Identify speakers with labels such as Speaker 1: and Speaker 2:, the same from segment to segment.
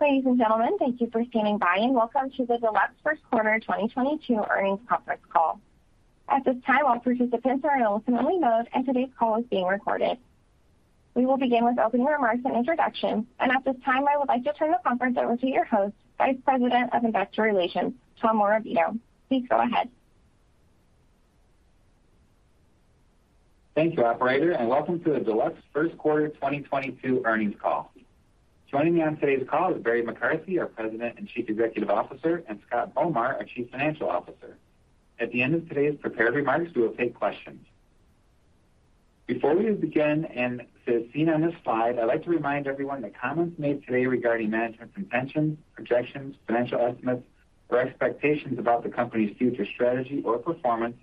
Speaker 1: Ladies and gentlemen, thank you for standing by, and welcome to the Deluxe First Quarter 2022 earnings conference call. At this time, all participants are in a listen-only mode, and today's call is being recorded. We will begin with opening remarks and introductions. At this time, I would like to turn the conference over to your host, Vice President of Investor Relations, Tom Morabito. Please go ahead.
Speaker 2: Thank you, operator, and welcome to the Deluxe First Quarter 2022 earnings call. Joining me on today's call is Barry McCarthy, our President and Chief Executive Officer, and Scott Bomar, our Chief Financial Officer. At the end of today's prepared remarks, we will take questions. Before we begin, and as seen on this slide, I'd like to remind everyone that comments made today regarding management's intentions, projections, financial estimates or expectations about the company's future strategy or performance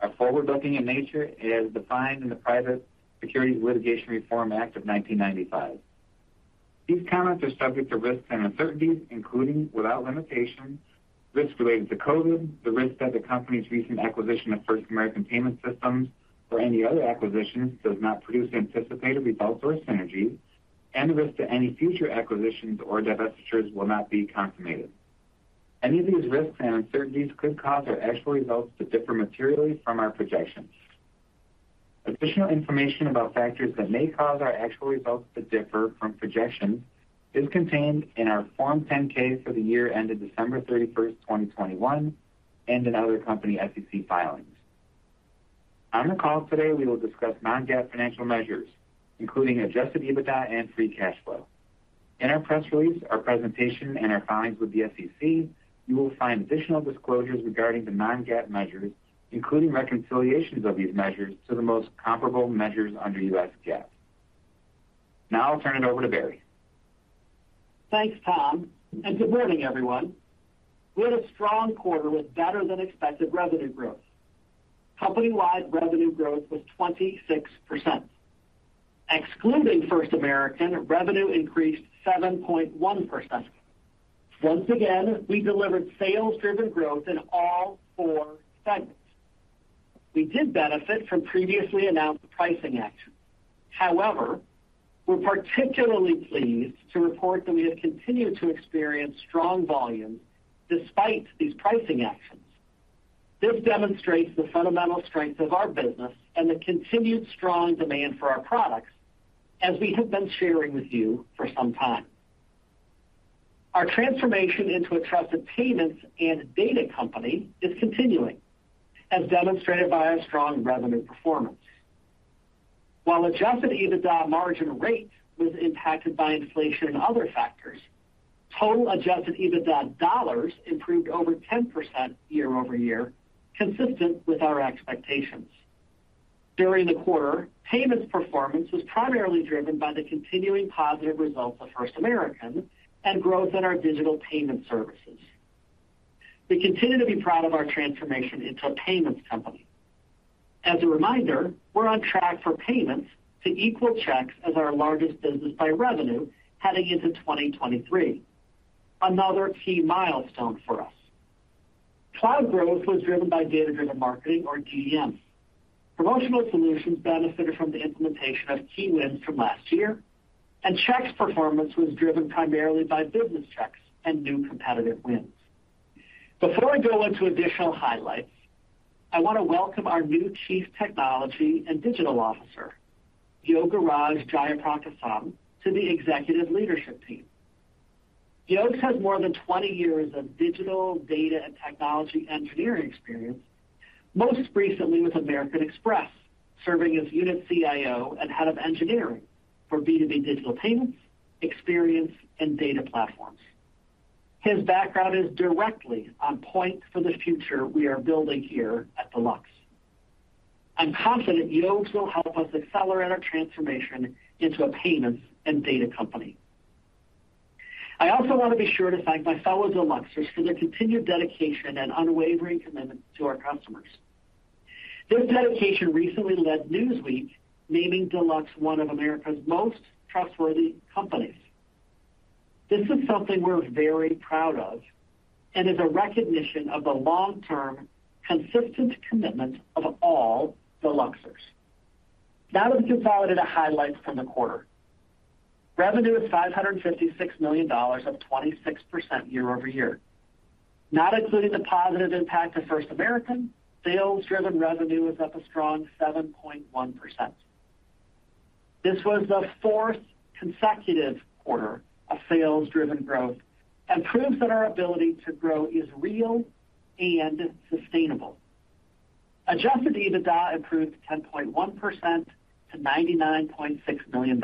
Speaker 2: are forward-looking in nature and as defined in the Private Securities Litigation Reform Act of 1995. These comments are subject to risks and uncertainties, including, without limitation, risks related to COVID, the risk that the company's recent acquisition of First American Payment Systems or any other acquisitions does not produce anticipated results or synergies, and the risk that any future acquisitions or divestitures will not be consummated. Any of these risks and uncertainties could cause our actual results to differ materially from our projections. Additional information about factors that may cause our actual results to differ from projections is contained in our Form 10-K for the year ended December 31st, 2021 and in other company SEC filings. On the call today, we will discuss non-GAAP financial measures, including Adjusted EBITDA and free cash flow. In our press release, our presentation and our filings with the SEC, you will find additional disclosures regarding the non-GAAP measures, including reconciliations of these measures to the most comparable measures under U.S. GAAP. Now I'll turn it over to Barry.
Speaker 3: Thanks, Tom, and good morning, everyone. We had a strong quarter with better-than-expected revenue growth. Company-wide revenue growth was 26%. Excluding First American, revenue increased 7.1%. Once again, we delivered sales-driven growth in all four segments. We did benefit from previously announced pricing actions. However, we're particularly pleased to report that we have continued to experience strong volumes despite these pricing actions. This demonstrates the fundamental strength of our business and the continued strong demand for our products as we have been sharing with you for some time. Our transformation into a trusted payments and data company is continuing, as demonstrated by our strong revenue performance. While Adjusted EBITDA margin rate was impacted by inflation and other factors, total Adjusted EBITDA dollars improved over 10% year-over-year, consistent with our expectations. During the quarter, payments performance was primarily driven by the continuing positive results of First American and growth in our digital payment services. We continue to be proud of our transformation into a payments company. As a reminder, we're on track for payments to equal checks as our largest business by revenue heading into 2023, another key milestone for us. Cloud growth was driven by Data-Driven Marketing or DDM. Promotional Solutions benefited from the implementation of key wins from last year, and Checks performance was driven primarily by business checks and new competitive wins. Before I go into additional highlights, I want to welcome our new Chief Technology and Digital Officer, Yogaraj Jayaprakasam, to the executive leadership team. Yogs has more than 20 years of digital data and technology engineering experience, most recently with American Express, serving as unit CIO and head of engineering for B2B digital payments, experience, and data platforms. His background is directly on point for the future we are building here at Deluxe. I'm confident Yogs will help us accelerate our transformation into a payments and data company. I also want to be sure to thank my fellow Deluxers for their continued dedication and unwavering commitment to our customers. This dedication recently led Newsweek naming Deluxe one of America's most trustworthy companies. This is something we're very proud of and is a recognition of the long-term consistent commitment of all Deluxers. Now we can follow to the highlights from the quarter. Revenue is $556 million, up 26% year-over-year. Not including the positive impact of First American, sales-driven revenue was up a strong 7.1%. This was the fourth consecutive quarter of sales-driven growth and proves that our ability to grow is real and sustainable. Adjusted EBITDA improved 10.1% to $99.6 million.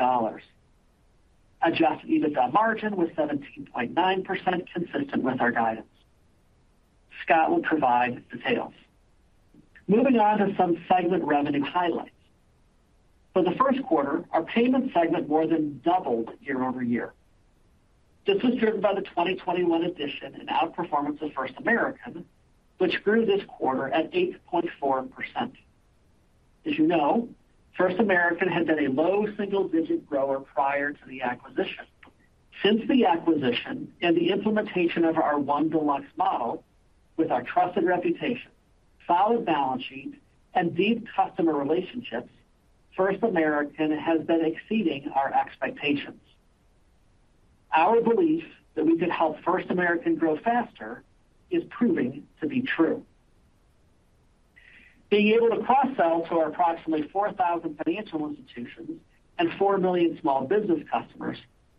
Speaker 3: Adjusted EBITDA margin was 17.9%, consistent with our guidance. Scott will provide details. Moving on to some segment revenue highlights. For the first quarter, our payment segment more than doubled year-over-year. This was driven by the 2021 addition and outperformance of First American, which grew this quarter at 8.4%. As you know, First American had been a low single-digit grower prior to the acquisition. Since the acquisition and the implementation of our One Deluxe model with our trusted reputation, solid balance sheet and deep customer relationships, First American has been exceeding our expectations. Our belief that we could help First American grow faster is proving to be true. Being able to cross-sell to our approximately 4,000 financial institutions and 4 million small business customers,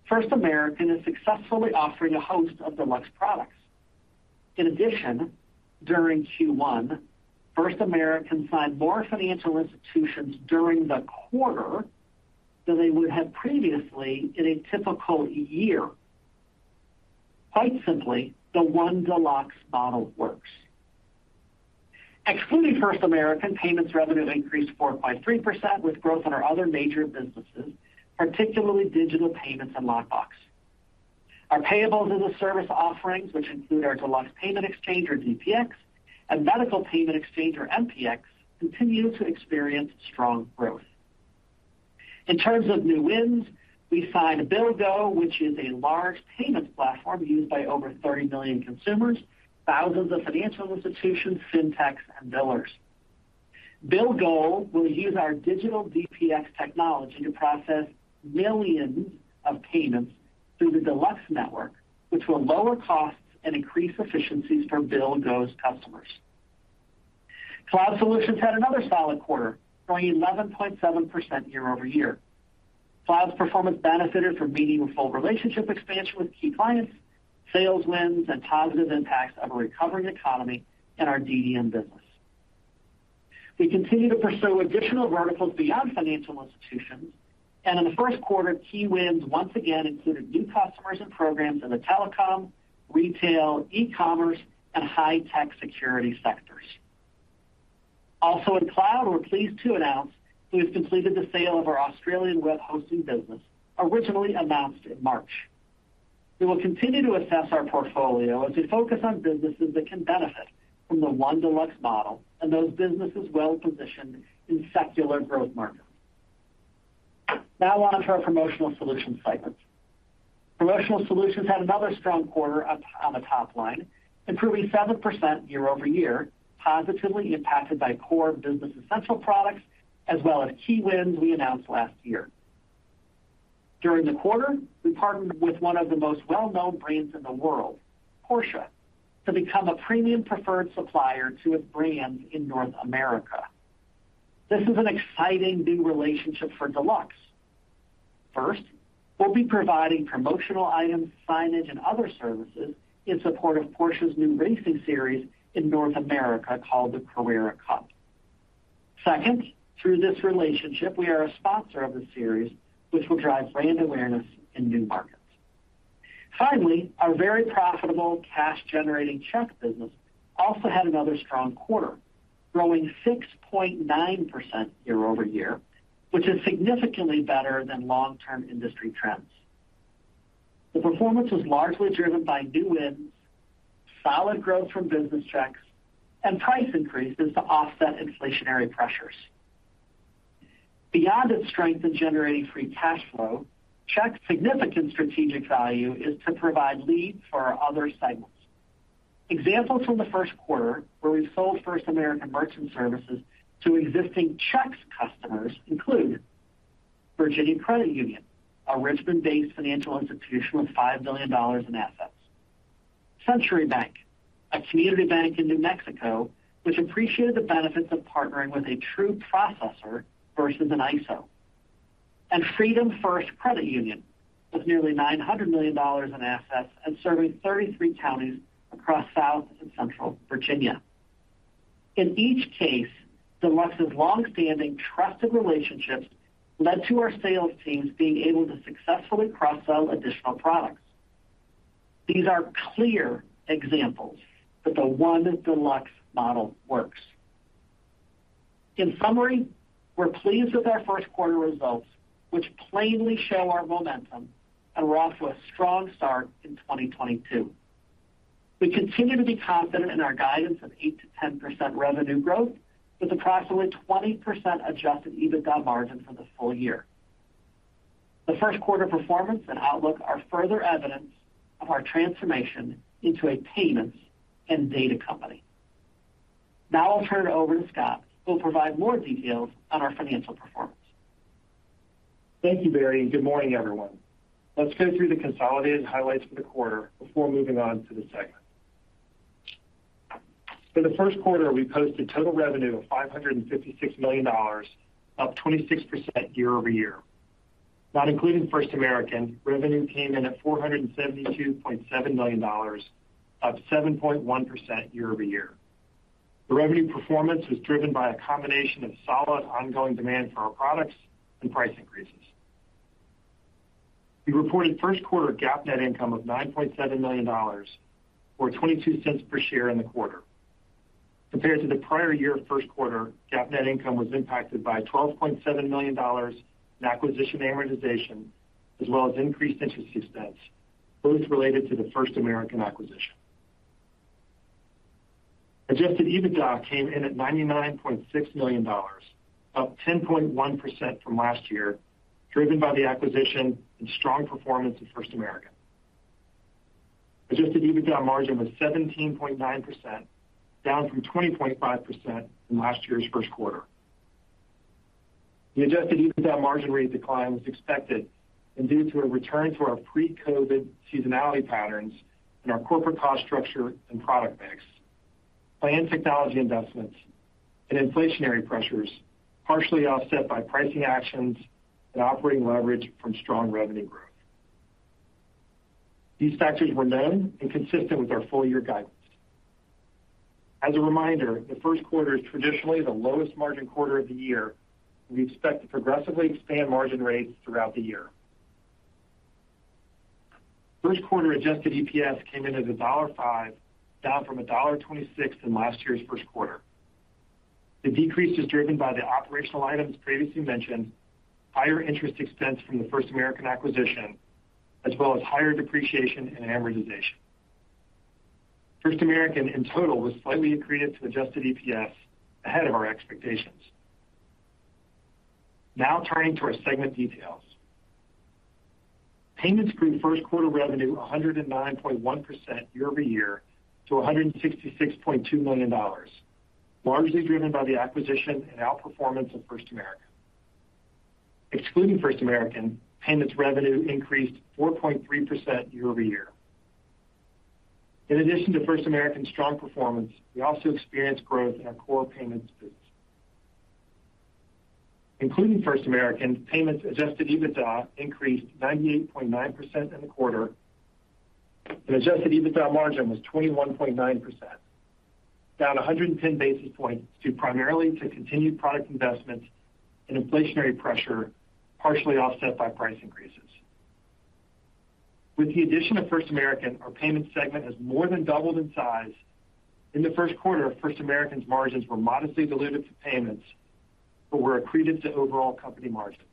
Speaker 3: First American is successfully offering a host of Deluxe products. In addition, during Q1, First American signed more financial institutions during the quarter than they would have previously in a typical year. Quite simply, the One Deluxe model works. Excluding First American, payments revenue increased 4.3%, with growth in our other major businesses, particularly digital payments and lockbox. Our Payables as a Service offerings, which include our Deluxe Payment Exchange or DPX and Medical Payment Exchange or MPX, continue to experience strong growth. In terms of new wins, we signed BillGO, which is a large payments platform used by over 30 million consumers, thousands of financial institutions, fintechs and billers. BillGO will use our digital DPX technology to process millions of payments through the Deluxe network, which will lower costs and increase efficiencies for BillGO's customers. Cloud Solutions had another solid quarter, growing 11.7% year-over-year. Cloud's performance benefited from meaningful relationship expansion with key clients, sales wins and positive impacts of a recovering economy in our DDM business. We continue to pursue additional verticals beyond financial institutions, and in the first quarter, key wins once again included new customers and programs in the telecom, retail, e-commerce, and high-tech security sectors. Also in Cloud, we're pleased to announce we have completed the sale of our Australian web hosting business originally announced in March. We will continue to assess our portfolio as we focus on businesses that can benefit from the One Deluxe model and those businesses well positioned in secular growth markets. Now on to our Promotional Solutions segment. Promotional Solutions had another strong quarter up on the top line, improving 7% year-over-year, positively impacted by core business essential products as well as key wins we announced last year. During the quarter, we partnered with one of the most well-known brands in the world, Porsche, to become a premium preferred supplier to its brands in North America. This is an exciting new relationship for Deluxe. First, we'll be providing promotional items, signage, and other services in support of Porsche's new racing series in North America called the Carrera Cup. Second, through this relationship, we are a sponsor of the series, which will drive brand awareness in new markets. Finally, our very profitable cash-generating checks business also had another strong quarter, growing 6.9% year-over-year, which is significantly better than long-term industry trends. The performance was largely driven by new wins, solid growth from business checks, and price increases to offset inflationary pressures. Beyond its strength in generating free cash flow, checks' significant strategic value is to provide leads for our other segments. Examples from the first quarter where we sold First American Merchant Services to existing checks customers include Virginia Credit Union, a Richmond-based financial institution with $5 billion in assets, Century Bank, a community bank in New Mexico which appreciated the benefits of partnering with a true processor versus an ISO, and Freedom First Credit Union, with nearly $900 million in assets and serving 33 counties across South and Central Virginia. In each case, Deluxe's long-standing trusted relationships led to our sales teams being able to successfully cross-sell additional products. These are clear examples that the One Deluxe model works. In summary, we're pleased with our first quarter results, which plainly show our momentum, and we're off to a strong start in 2022. We continue to be confident in our guidance of 8%-10% revenue growth with approximately 20% Adjusted EBITDA margin for the full year. The first quarter performance and outlook are further evidence of our transformation into a payments and data company. Now I'll turn it over to Scott, who will provide more details on our financial performance.
Speaker 4: Thank you, Barry, and good morning, everyone. Let's go through the consolidated highlights for the quarter before moving on to the segment. For the first quarter, we posted total revenue of $556 million, up 26% year-over-year. Not including First American, revenue came in at $472.7 million, up 7.1% year-over-year. The revenue performance was driven by a combination of solid ongoing demand for our products and price increases. We reported first quarter GAAP net income of $9.7 million or $0.22 per share in the quarter. Compared to the prior year first quarter, GAAP net income was impacted by $12.7 million in acquisition amortization as well as increased interest expense, both related to the First American acquisition. Adjusted EBITDA came in at $99.6 million, up 10.1% from last year, driven by the acquisition and strong performance of First American. Adjusted EBITDA margin was 17.9%, down from 20.5% from last year's first quarter. The Adjusted EBITDA margin rate decline was expected and due to a return to our pre-COVID seasonality patterns and our corporate cost structure and product mix. Planned technology investments and inflationary pressures partially offset by pricing actions and operating leverage from strong revenue growth. These factors were known and consistent with our full-year guidance. As a reminder, the first quarter is traditionally the lowest margin quarter of the year, and we expect to progressively expand margin rates throughout the year. First quarter adjusted EPS came in as $1.05, down from $1.26 in last year's first quarter. The decrease is driven by the operational items previously mentioned, higher interest expense from the First American acquisition, as well as higher depreciation and amortization. First American in total was slightly accretive to adjusted EPS ahead of our expectations. Now turning to our segment details. Payments grew first quarter revenue 109.1% year-over-year to $166.2 million, largely driven by the acquisition and outperformance of First American. Excluding First American, payments revenue increased 4.3% year-over-year. In addition to First American's strong performance, we also experienced growth in our core payments business. Including First American, payments Adjusted EBITDA increased 98.9% in the quarter, and Adjusted EBITDA margin was 21.9%. Down 110 basis points due primarily to continued product investments and inflationary pressure, partially offset by price increases. With the addition of First American, our payments segment has more than doubled in size. In the first quarter, First American's margins were modestly dilutive to payments but were accretive to overall company margins.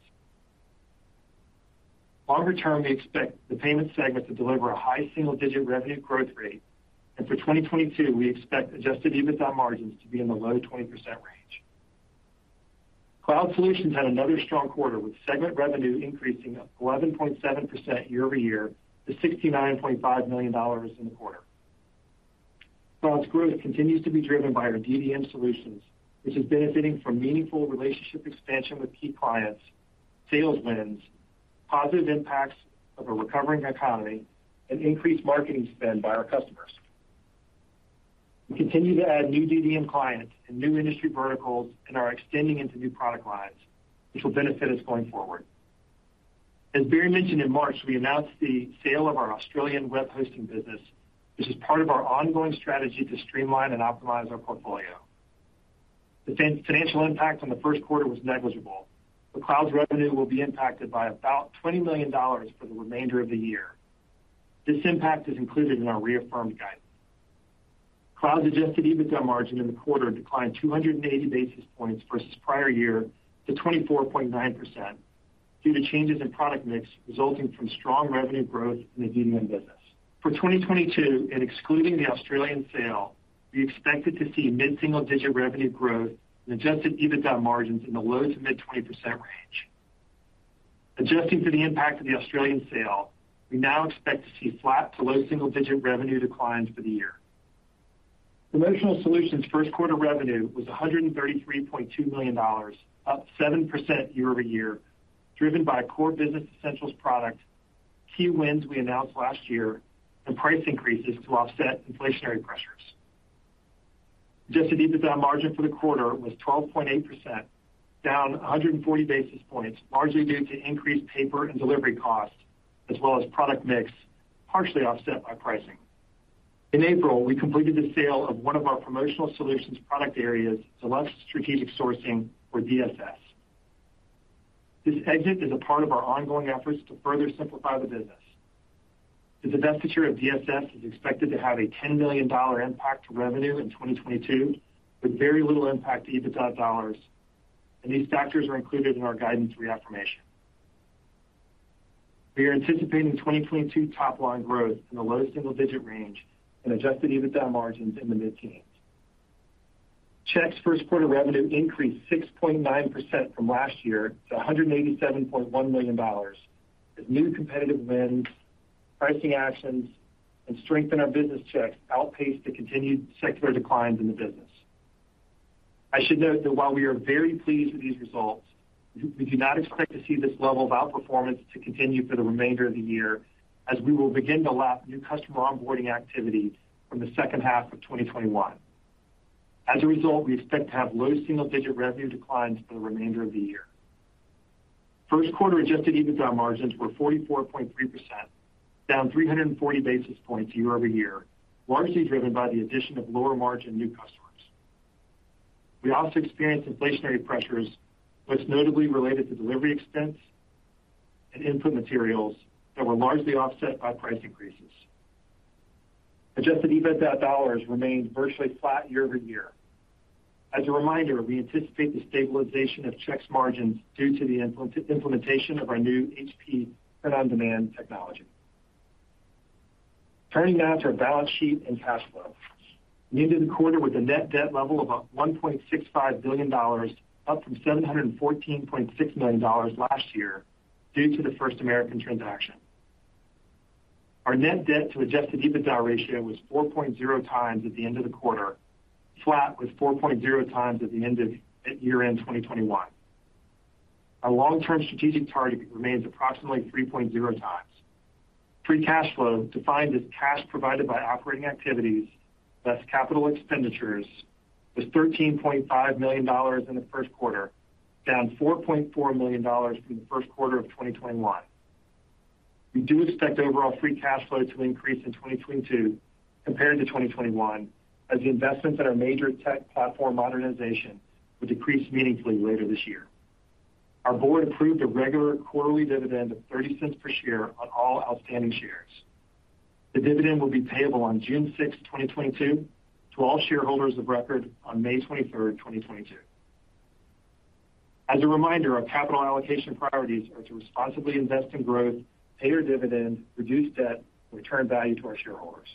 Speaker 4: Longer term, we expect the payments segment to deliver a high single-digit revenue growth rate, and for 2022, we expect Adjusted EBITDA margins to be in the low 20% range. Cloud Solutions had another strong quarter with segment revenue increasing 11.7% year-over-year to $69.5 million in the quarter. Cloud's growth continues to be driven by our DDM solutions, which is benefiting from meaningful relationship expansion with key clients, sales wins, positive impacts of a recovering economy, and increased marketing spend by our customers. We continue to add new DDM clients and new industry verticals and are extending into new product lines, which will benefit us going forward. As Barry mentioned in March, we announced the sale of our Australian web hosting business, which is part of our ongoing strategy to streamline and optimize our portfolio. The financial impact on the first quarter was negligible, but Cloud's revenue will be impacted by about $20 million for the remainder of the year. This impact is included in our reaffirmed guidance. Cloud's Adjusted EBITDA margin in the quarter declined 280 basis points versus prior year to 24.9% due to changes in product mix resulting from strong revenue growth in the DDM business. For 2022, and excluding the Australian sale, we expected to see mid-single-digit revenue growth and Adjusted EBITDA margins in the low- to mid-20% range. Adjusting for the impact of the Australian sale, we now expect to see flat to low single-digit revenue declines for the year. Promotional Solutions first quarter revenue was $133.2 million, up 7% year-over-year, driven by core business essentials product, key wins we announced last year, and price increases to offset inflationary pressures. Adjusted EBITDA margin for the quarter was 12.8%, down 140 basis points, largely due to increased paper and delivery costs as well as product mix, partially offset by pricing. In April, we completed the sale of one of our promotional solutions product areas, Deluxe Strategic Sourcing or DSS. This exit is a part of our ongoing efforts to further simplify the business. The divestiture of DSS is expected to have a $10 million impact to revenue in 2022, with very little impact to EBITDA dollars, and these factors are included in our guidance reaffirmation. We are anticipating 2022 top-line growth in the low single-digit range and Adjusted EBITDA margins in the mid-teens. Checks first quarter revenue increased 6.9% from last year to $187.1 million as new competitive wins, pricing actions, and strength in our business checks outpaced the continued secular declines in the business. I should note that while we are very pleased with these results, we do not expect to see this level of outperformance to continue for the remainder of the year as we will begin to lap new customer onboarding activity from the second half of 2021. As a result, we expect to have low single-digit revenue declines for the remainder of the year. First quarter Adjusted EBITDA margins were 44.3%, down 340 basis points year-over-year, largely driven by the addition of lower-margin new customers. We also experienced inflationary pressures, most notably related to delivery expense and input materials that were largely offset by price increases. Adjusted EBITDA dollars remained virtually flat year-over-year. As a reminder, we anticipate the stabilization of Checks margins due to the implementation of our new HP Print On Demand technology. Turning now to our balance sheet and cash flow. We ended the quarter with a net debt level of $1.65 billion, up from $714.6 million last year due to the First American transaction. Our net debt to Adjusted EBITDA ratio was 4.0x at the end of the quarter, flat with 4.0x at the end of year-end 2021. Our long-term strategic target remains approximately 3.0x. Free cash flow, defined as cash provided by operating activities, less capital expenditures, was $13.5 million in the first quarter, down $4.4 million from the first quarter of 2021. We do expect overall free cash flow to increase in 2022 compared to 2021 as the investments in our major tech platform modernization will decrease meaningfully later this year. Our board approved a regular quarterly dividend of $0.30 per share on all outstanding shares. The dividend will be payable on June 6th, 2022 to all shareholders of record on May 23rd, 2022. As a reminder, our capital allocation priorities are to responsibly invest in growth, pay our dividend, reduce debt, and return value to our shareholders.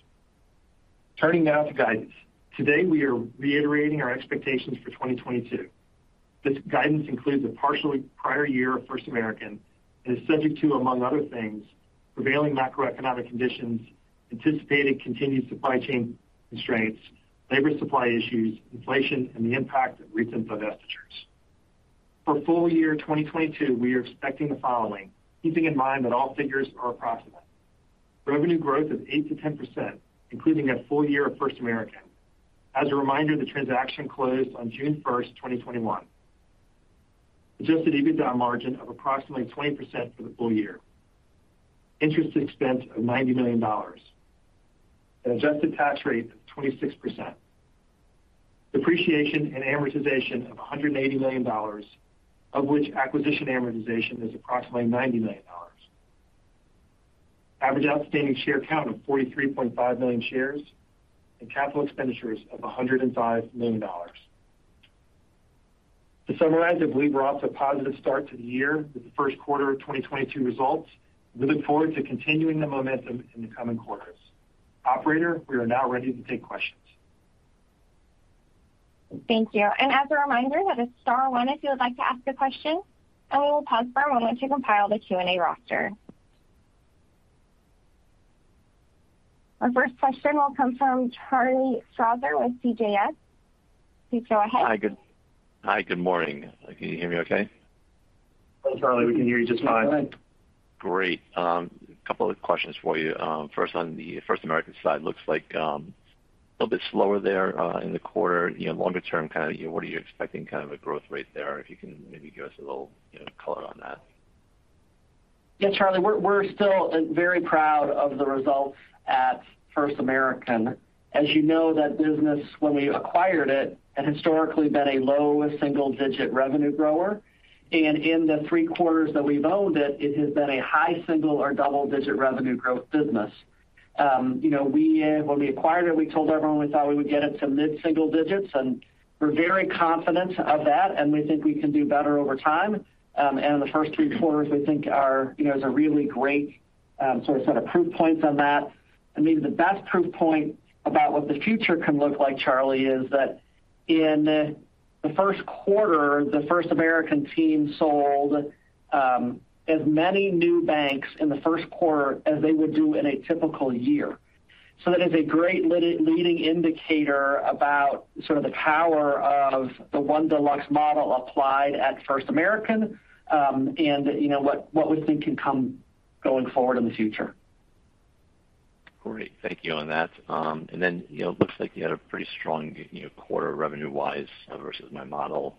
Speaker 4: Turning now to guidance. Today, we are reiterating our expectations for 2022. This guidance includes a partial prior year of First American and is subject to, among other things, prevailing macroeconomic conditions, anticipated continued supply chain constraints, labor supply issues, inflation, and the impact of recent divestitures. For full year 2022, we are expecting the following, keeping in mind that all figures are approximate. Revenue growth of 8%-10%, including a full year of First American. As a reminder, the transaction closed on June 1st, 2021. Adjusted EBITDA margin of approximately 20% for the full year. Interest expense of $90 million. An adjusted tax rate of 26%. Depreciation and amortization of $180 million, of which acquisition amortization is approximately $90 million. Average outstanding share count of 43.5 million shares. Capital expenditures of $105 million. To summarize, I believe we're off to a positive start to the year with the first quarter of 2022 results. We look forward to continuing the momentum in the coming quarters. Operator, we are now ready to take questions.
Speaker 1: Thank you. As a reminder, that is star one if you would like to ask a question, and we will pause for a moment to compile the Q&A roster. Our first question will come from Charles Strauzer with CJS. Please go ahead.
Speaker 5: Hi, good morning. Can you hear me okay?
Speaker 3: Hello, Charlie. We can hear you just fine.
Speaker 5: Great. A couple of questions for you. First on the First American side, looks like a little bit slower there in the quarter. You know, longer term, kind of, you know, what are you expecting kind of a growth rate there? If you can maybe give us a little, you know, color on that?
Speaker 4: Yeah, Charlie, we're still very proud of the results at First American. As you know, that business, when we acquired it, had historically been a low single-digit revenue grower. In the three quarters that we've owned it has been a high single or double-digit revenue growth business. You know, when we acquired it, we told everyone we thought we would get it to mid-single digits, and we're very confident of that, and we think we can do better over time. The first three quarters, we think is a really great you know, sort of set of proof points on that. Maybe the best proof point about what the future can look like, Charlie, is that in the first quarter, the First American team sold as many new banks in the first quarter as they would do in a typical year. That is a great leading indicator about sort of the power of the One Deluxe model applied at First American, and you know, what we think can come going forward in the future.
Speaker 5: Great. Thank you on that. You know, looks like you had a pretty strong, you know, quarter revenue-wise versus my model.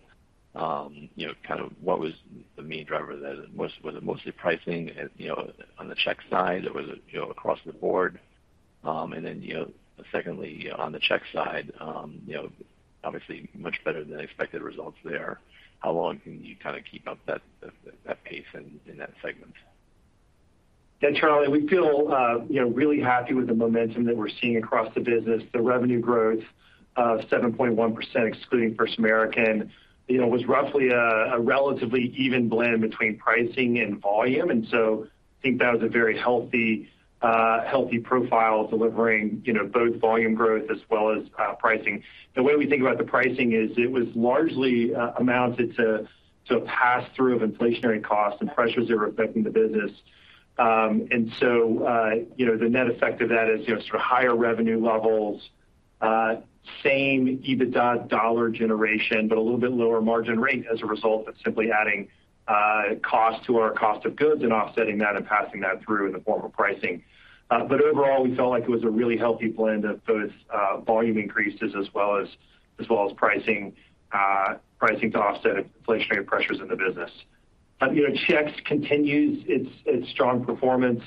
Speaker 5: You know, kind of what was the main driver? Was it mostly pricing, you know, on the checks side? Was it, you know, across the board? You know, secondly, on the checks side, you know, obviously much better than expected results there. How long can you kind of keep up that pace in that segment?
Speaker 4: Yeah, Charlie, we feel, you know, really happy with the momentum that we're seeing across the business. The revenue growth of 7.1%, excluding First American, you know, was roughly a relatively even blend between pricing and volume. I think that was a very healthy profile delivering, you know, both volume growth as well as pricing. The way we think about the pricing is it was largely amounted to a pass-through of inflationary costs and pressures that were affecting the business. You know, the net effect of that is, you know, sort of higher revenue levels, same EBITDA dollar generation, but a little bit lower margin rate as a result of simply adding cost to our cost of goods and offsetting that and passing that through in the form of pricing. Overall, we felt like it was a really healthy blend of both volume increases as well as pricing to offset inflationary pressures in the business. You know, Checks continues its strong performance,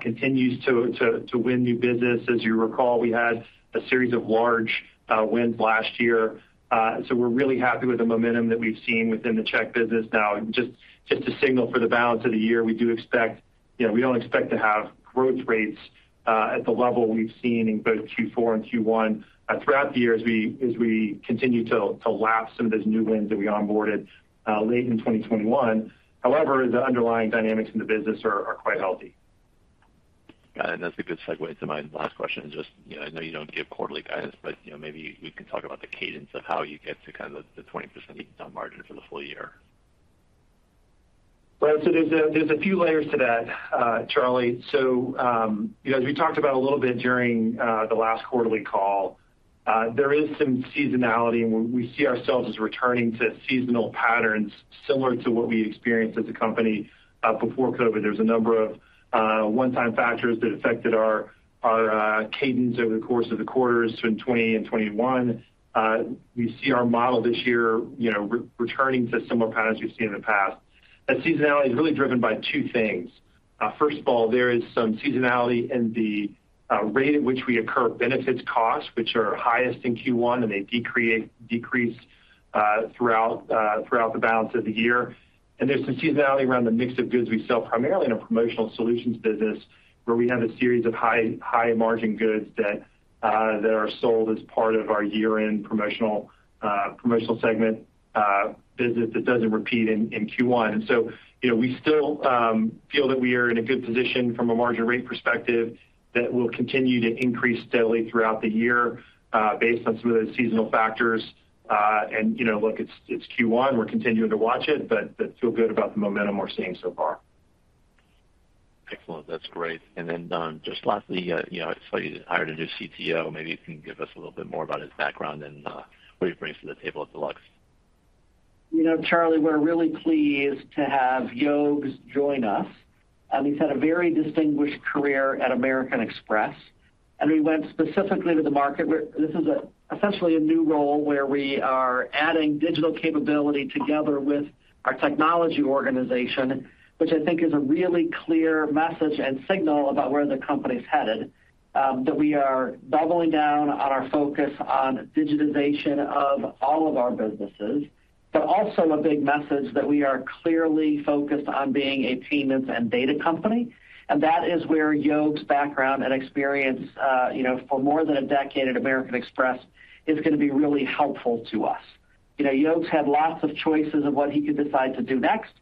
Speaker 4: continues to win new business. As you recall, we had a series of large wins last year. We're really happy with the momentum that we've seen within the Checks business. Now, just a signal for the balance of the year, you know, we don't expect to have growth rates at the level we've seen in both Q4 and Q1 throughout the year as we continue to lap some of those new wins that we onboarded late in 2021. However, the underlying dynamics in the business are quite healthy.
Speaker 5: That's a good segue into my last question. Just, you know, I know you don't give quarterly guidance, but, you know, maybe you can talk about the cadence of how you get to kind of the 20% EBITDA margin for the full year.
Speaker 4: Well, there's a few layers to that, Charlie. You know, as we talked about a little bit during the last quarterly call, there is some seasonality, and we see ourselves as returning to seasonal patterns similar to what we experienced as a company before COVID. There's a number of one-time factors that affected our cadence over the course of the quarters in 2020 and 2021. We see our model this year, you know, returning to similar patterns you've seen in the past. That seasonality is really driven by two things. First of all, there is some seasonality in the rate at which we incur benefits costs, which are highest in Q1, and they decrease throughout the balance of the year. There's some seasonality around the mix of goods we sell primarily in our Promotional Solutions business, where we have a series of high-margin goods that are sold as part of our year-end promotional segment business that doesn't repeat in Q1. You know, we still feel that we are in a good position from a margin rate perspective that will continue to increase steadily throughout the year based on some of those seasonal factors. You know, it's Q1, we're continuing to watch it, but feel good about the momentum we're seeing so far.
Speaker 5: Excellent. That's great. Then, Don, just lastly, you know, I saw you hired a new CTO. Maybe you can give us a little bit more about his background and what he brings to the table at Deluxe.
Speaker 3: You know, Charlie, we're really pleased to have Yoges join us. He's had a very distinguished career at American Express, and we went specifically to the market where this is essentially a new role where we are adding digital capability together with our technology organization, which I think is a really clear message and signal about where the company's headed. That we are doubling down on our focus on digitization of all of our businesses, but also a big message that we are clearly focused on being a payments and data company. That is where Yoges' background and experience, you know, for more than a decade at American Express is gonna be really helpful to us. You know, Yoges had lots of choices of what he could decide to do next,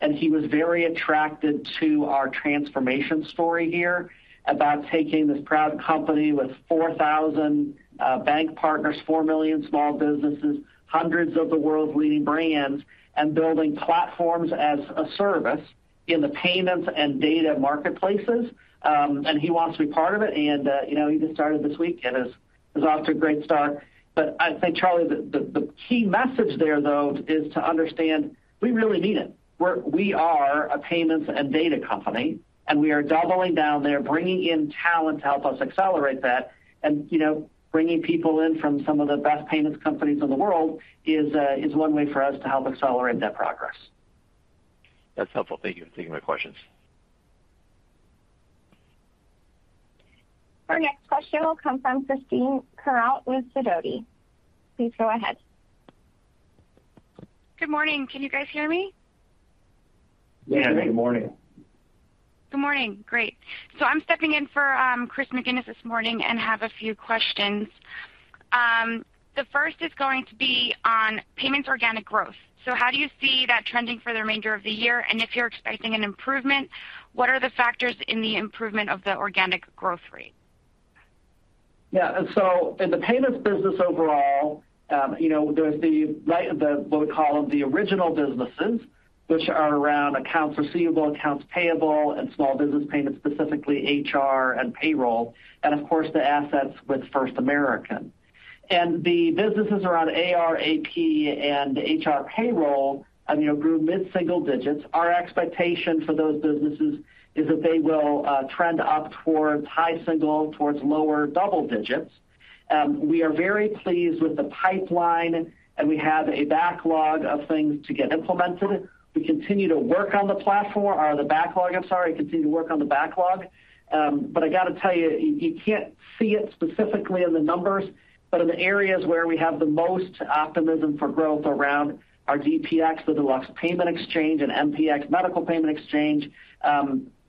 Speaker 3: and he was very attracted to our transformation story here about taking this proud company with 4,000 bank partners, 4 million small businesses, hundreds of the world's leading brands, and building platforms as a service in the payments and data marketplaces. He wants to be part of it. You know, he just started this week and is off to a great start. But I'd say, Charlie, the key message there, though, is to understand we really mean it. We are a payments and data company, and we are doubling down there, bringing in talent to help us accelerate that.
Speaker 4: You know, bringing people in from some of the best payments companies in the world is one way for us to help accelerate that progress.
Speaker 5: That's helpful. Thank you. Thank you for my questions.
Speaker 1: Our next question will come from Christine Greany with Sidoti. Please go ahead.
Speaker 6: Good morning. Can you guys hear me?
Speaker 4: Yeah. Good morning.
Speaker 6: Good morning. Great. I'm stepping in for Chris McGinnis this morning and have a few questions. The first is going to be on payments organic growth. How do you see that trending for the remainder of the year? And if you're expecting an improvement, what are the factors in the improvement of the organic growth rate?
Speaker 4: Yeah. In the payments business overall, you know, there's the what we call the original businesses, which are around accounts receivable, accounts payable, and small business payments, specifically HR and payroll, and of course the assets with First American. The businesses around AR, AP, and HR payroll, I mean, grew mid-single digits. Our expectation for those businesses is that they will trend up towards high single towards lower double digits. We are very pleased with the pipeline, and we have a backlog of things to get implemented. We continue to work on the backlog. I got to tell you can't see it specifically in the numbers, but in the areas where we have the most optimism for growth around our DPX, the Deluxe Payment Exchange, and MPX, Medical Payment Exchange,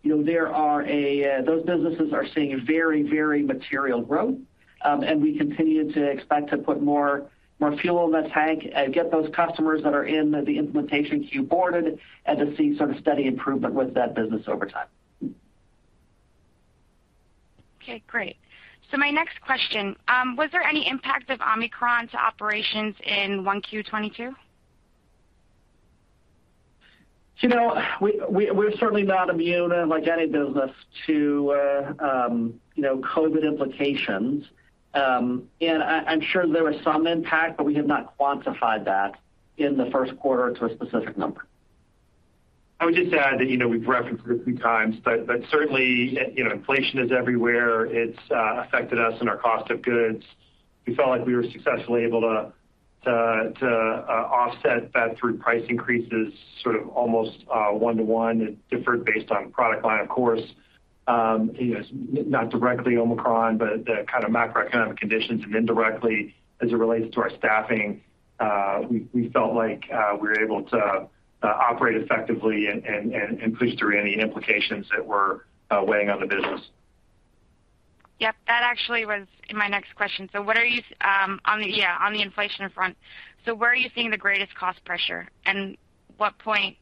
Speaker 4: you know, those businesses are seeing very, very material growth. We continue to expect to put more fuel in the tank and get those customers that are in the implementation queue boarded and to see some steady improvement with that business over time.
Speaker 6: Okay, great. My next question, was there any impact of Omicron to operations in 1Q 2022?
Speaker 4: You know, we're certainly not immune, like any business, to you know, COVID implications. I'm sure there was some impact, but we have not quantified that in the first quarter to a specific number.
Speaker 3: I would just add that, you know, we've referenced it a few times, but certainly, you know, inflation is everywhere. It's affected us in our cost of goods. We felt like we were successfully able to offset that through price increases, sort of almost one to one. It differed based on product line, of course. You know, not directly Omicron, but the kind of macroeconomic conditions and indirectly as it relates to our staffing, we felt like we were able to operate effectively and push through any implications that were weighing on the business.
Speaker 6: Yep. That actually was in my next question. What are you on the, yeah, on the inflation front? Where are you seeing the greatest cost pressure and what point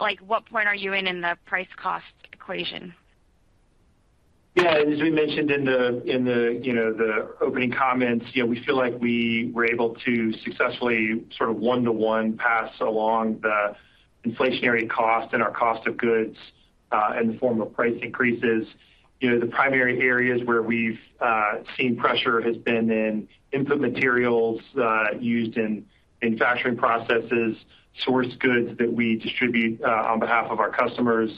Speaker 6: like what point are you in the price cost equation?
Speaker 4: Yeah. As we mentioned in the you know the opening comments you know we feel like we were able to successfully sort of one-to-one pass along the inflationary cost and our cost of goods in the form of price increases. You know the primary areas where we've seen pressure has been in input materials used in manufacturing processes sourced goods that we distribute on behalf of our customers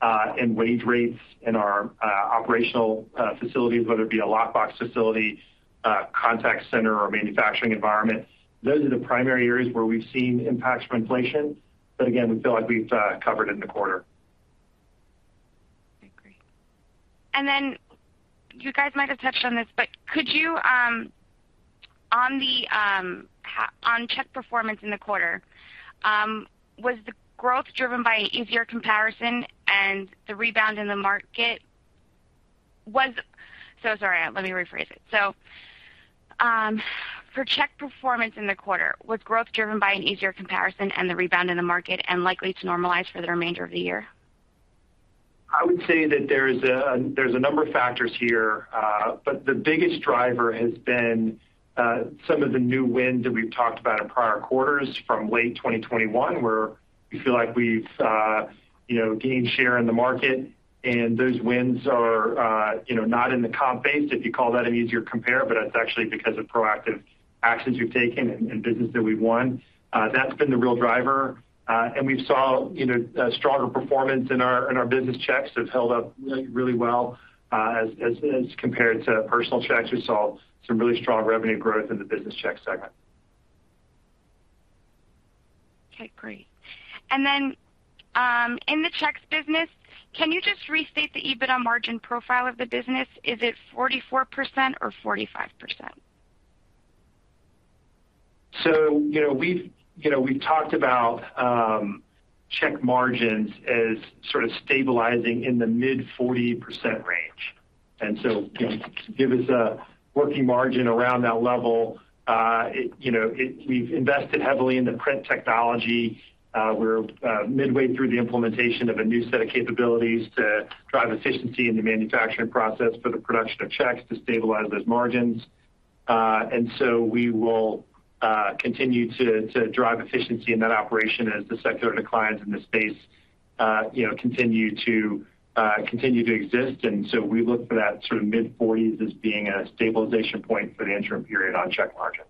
Speaker 4: and wage rates in our operational facilities whether it be a lock box facility a contact center or a manufacturing environment. Those are the primary areas where we've seen impacts from inflation. Again we feel like we've covered it in the quarter.
Speaker 6: Okay, great. You guys might have touched on this, but could you, On the, on check performance in the quarter, was the growth driven by easier comparison and the rebound in the market? Sorry, let me rephrase it. For check performance in the quarter, was growth driven by an easier comparison and the rebound in the market and likely to normalize for the remainder of the year?
Speaker 3: I would say that there's a number of factors here, but the biggest driver has been some of the new wins that we've talked about in prior quarters from late 2021, where we feel like we've, you know, gained share in the market. Those wins are, you know, not in the comp base, if you call that an easier compare, but that's actually because of proactive actions we've taken in business that we won. That's been the real driver. We saw, you know, stronger performance in our business checks have held up really well, as compared to personal checks. We saw some really strong revenue growth in the business check segment.
Speaker 6: Okay, great. In the checks business, can you just restate the EBITDA margin profile of the business? Is it 44% or 45%?
Speaker 4: You know, we've, you know, we've talked about check margins as sort of stabilizing in the mid-40% range. You know, give us a working margin around that level. We've invested heavily in the print technology. We're midway through the implementation of a new set of capabilities to drive efficiency in the manufacturing process for the production of checks to stabilize those margins. We will continue to drive efficiency in that operation as the secular declines in the space, you know, continue to exist. We look for that sort of mid-40s as being a stabilization point for the interim period on check margin.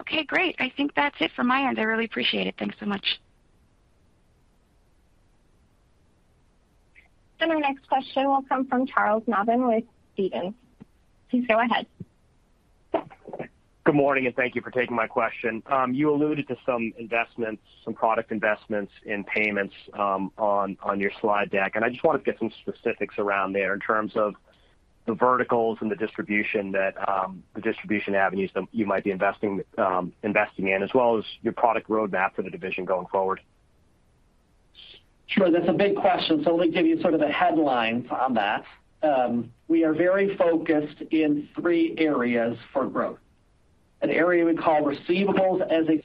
Speaker 6: Okay, great. I think that's it from my end. I really appreciate it. Thanks so much.
Speaker 1: Our next question will come from Charles Nabhan with Stephens. Please go ahead.
Speaker 7: Good morning, and thank you for taking my question. You alluded to some investments, some product investments in payments, on your slide deck. I just want to get some specifics around there in terms of the verticals and the distribution avenues that you might be investing in, as well as your product roadmap for the division going forward.
Speaker 3: Sure. That's a big question. Let me give you sort of the headlines on that. We are very focused in three areas for growth. An area we call Receivables as a Service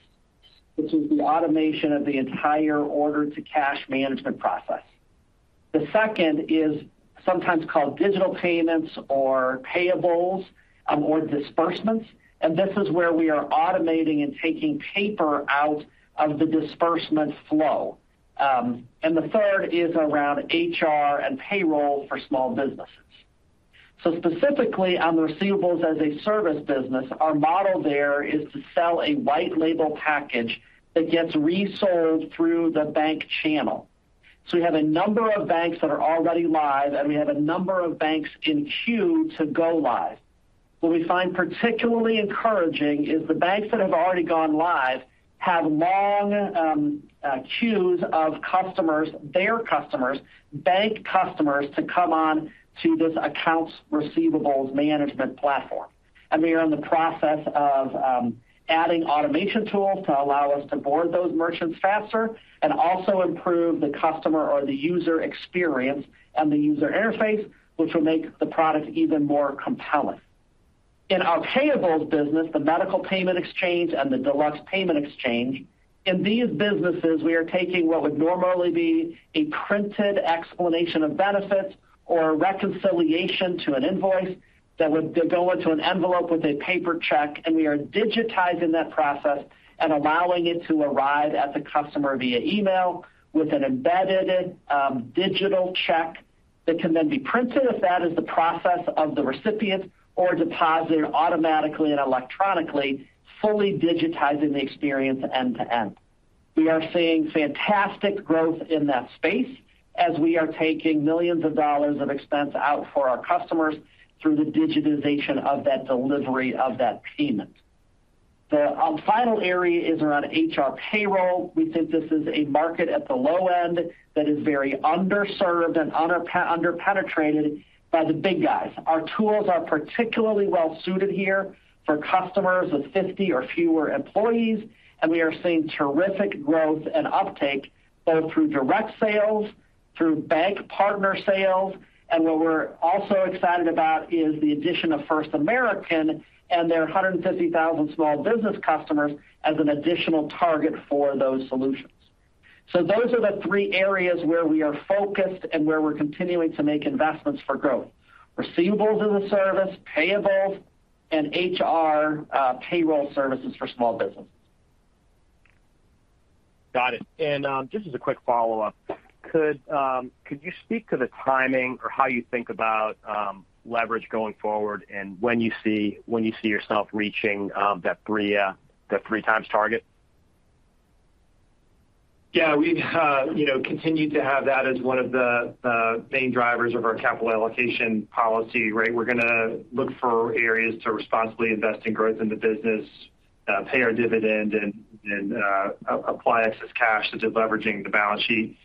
Speaker 3: which is the automation of the entire order-to-cash management process. The second is sometimes called digital payments or payables, or disbursements, and this is where we are automating and taking paper out of the disbursement flow. The third is around HR and payroll for small businesses. Specifically on the Receivables as a Service business, our model there is to sell a white label package that gets resold through the bank channel. We have a number of banks that are already live, and we have a number of banks in queue to go live.
Speaker 4: What we find particularly encouraging is the banks that have already gone live have long queues of customers, their customers, bank customers to come on to this accounts receivables management platform. We are in the process of adding automation tools to allow us to board those merchants faster and also improve the customer or the user experience and the user interface, which will make the product even more compelling. In our payables business, the Medical Payment Exchange and the Deluxe Payment Exchange. In these businesses, we are taking what would normally be a printed explanation of benefits or a reconciliation to an invoice that would go into an envelope with a paper check, and we are digitizing that process and allowing it to arrive at the customer via email with an embedded, digital check that can then be printed if that is the process of the recipient or deposited automatically and electronically, fully digitizing the experience end to end. We are seeing fantastic growth in that space as we are taking millions of dollars of expense out for our customers through the digitization of that delivery of that payment. The final area is around HR payroll. We think this is a market at the low end that is very underserved and under penetrated by the big guys. Our tools are particularly well suited here for customers with 50 or fewer employees, and we are seeing terrific growth and uptake, both through direct sales through bank partner sales. What we're also excited about is the addition of First American and their 150,000 small business customers as an additional target for those solutions. Those are the three areas where we are focused and where we're continuing to make investments for growth. Receivables as a service, payables, and HR, payroll services for small business.
Speaker 7: Got it. Just as a quick follow-up. Could you speak to the timing or how you think about leverage going forward and when you see yourself reaching that three times target?
Speaker 4: Yeah, we've, you know, continued to have that as one of the main drivers of our capital allocation policy, right? We're gonna look for areas to responsibly invest in growth in the business, pay our dividend and apply excess cash to deleveraging the balance sheet.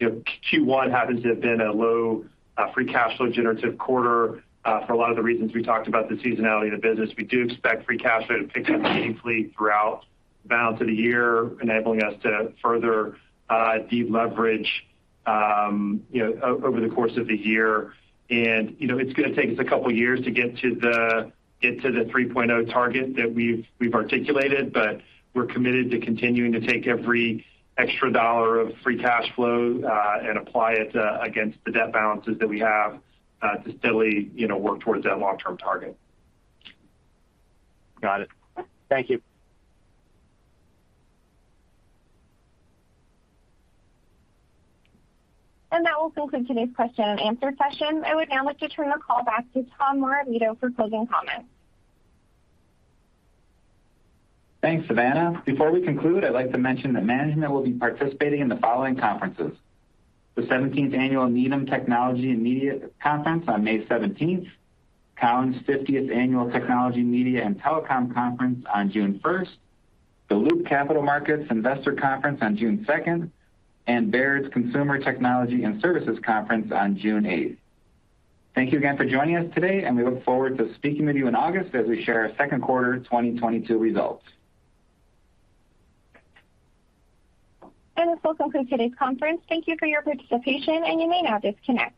Speaker 4: You know, Q1 happens to have been a low free cash flow generative quarter for a lot of the reasons we talked about the seasonality of the business. We do expect free cash flow to pick up meaningfully throughout the balance of the year, enabling us to further deleverage over the course of the year. You know, it's gonna take us a couple years to get to the 3.0 target that we've articulated, but we're committed to continuing to take every extra dollar of free cash flow and apply it against the debt balances that we have to steadily, you know, work towards that long-term target.
Speaker 7: Got it. Thank you.
Speaker 1: That will conclude today's question and answer session. I would now like to turn the call back to Tom Morabito for closing comments.
Speaker 2: Thanks, Savannah. Before we conclude, I'd like to mention that management will be participating in the following conferences. The 17th Annual Needham Technology & Media Conference on May 17. Cowen 50th Annual Technology, Media & Telecom Conference on June 1st. The Loop Capital Markets Investor Conference on June 2nd, and Baird's Global Consumer, Technology & Services Conference on June 8th. Thank you again for joining us today, and we look forward to speaking with you in August as we share our second quarter 2022 results.
Speaker 1: This will conclude today's conference. Thank you for your participation, and you may now disconnect.